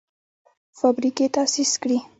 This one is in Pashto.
فابریکې تاسیس کړي.